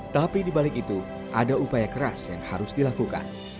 tapi dibalik itu ada upaya keras yang harus dilakukan